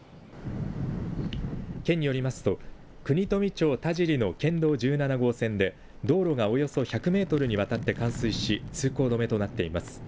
県によりますと国富町田尻の県道１７号線で道路がおよそ１００メートルにわたって冠水し通行止めとなっています。